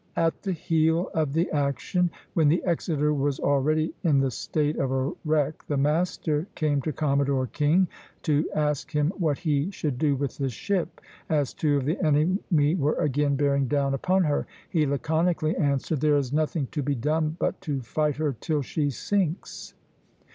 "At the heel of the action, when the 'Exeter' was already in the state of a wreck, the master came to Commodore King to ask him what he should do with the ship, as two of the enemy were again bearing down upon her. He laconically answered, 'there is nothing to be done but to fight her till she sinks.'"